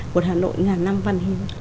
một hà nội ngàn năm văn hiến